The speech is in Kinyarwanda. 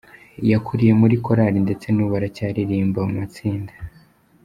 Yakuriye muri korali ndetse n'ubu aracyaririmba mu matsinda.